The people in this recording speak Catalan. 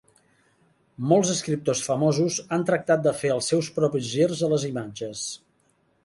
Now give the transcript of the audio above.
Molts escriptors famosos han tractat de fer els seus propis girs a les imatges.